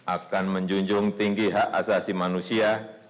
akan menjunjung tinggi hak asasi manusia